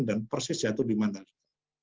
dan persis jatuh di mandalika